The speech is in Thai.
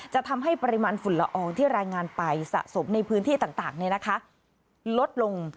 ทำให้ปริมาณฝุ่นละอองที่รายงานไปสะสมในพื้นที่ต่างลดลง